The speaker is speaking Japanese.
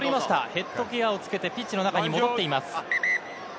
ヘッドギアをつけてピッチの中に戻っています。